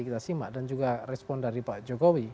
kita simak dan juga respon dari pak jokowi